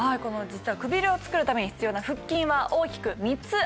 実はくびれを作るために必要な腹筋は大きく３つあるそうです。